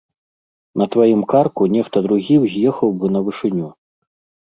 На тваім карку нехта другі ўз'ехаў бы на вышыню.